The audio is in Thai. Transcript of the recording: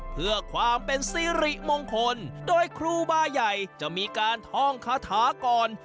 เพื่อความเป็นสิริมงคลโดยครูบาใหญ่จะมีการท่องคาถาก่อน